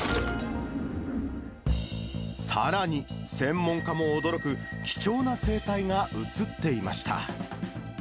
さらに、専門家も驚く貴重な生態が写っていました。